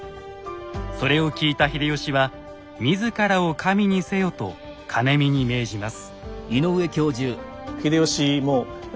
それを聞いた秀吉は自らを神にせよと兼見に命じます。